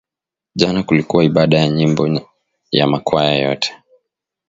Jana kulikuwa ibada ya nyimbo ya ma kwaya yote